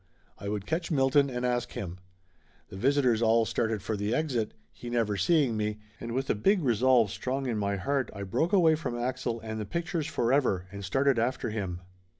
I would catch Milton and ask him. The visitors all started for the exit, he never seeing me, and with a big resolve strong in my heart I broke away from Axel and the pictures forever and started after him.